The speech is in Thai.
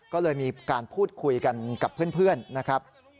ก็เลยมีการพูดคุยกันกับเพื่อนนะครับ